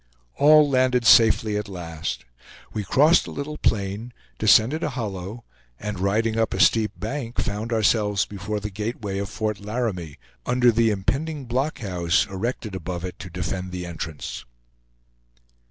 All landed safely at last; we crossed a little plain, descended a hollow, and riding up a steep bank found ourselves before the gateway of Fort Laramie, under the impending blockhouse erected above it to defend the entrance.